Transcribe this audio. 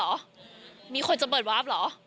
ไม่มีไม่มีค่ะ